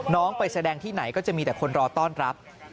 ไปแสดงที่ไหนก็จะมีแต่คนรอต้อนรับ